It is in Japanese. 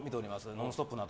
「ノンストップ！」など。